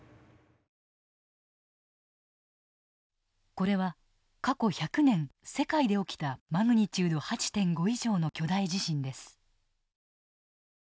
これは過去１００年世界で起きたＭ８．５以上の巨大地震です。